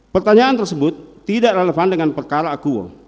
pertanyaan tersebut tidak relevan dengan perkara akuo